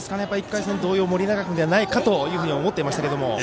１回戦同様、盛永君じゃないかと思っていましたけども。